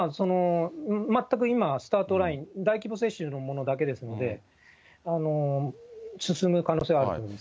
全く今、スタートライン、大規模接種のものだけですので、進む可能性はあると思います。